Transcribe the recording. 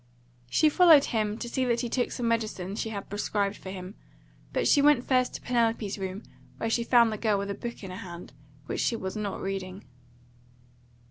She followed him to see that he took some medicine she had prescribed for him, but she went first to Penelope's room, where she found the girl with a book in her hand, which she was not reading.